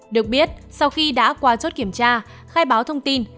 được biết sau khi đã qua chốt kiểm tra khai báo thông tin